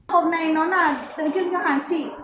hộp này nó là tự trưng cho hàng xị